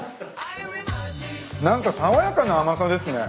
何か爽やかな甘さですね。